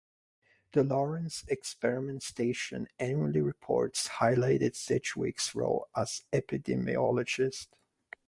The Lawrence Experiment Station annual reports highlighted Sedgwick's role as an epidemiologist.